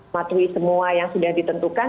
patuhi semua yang sudah ditentukan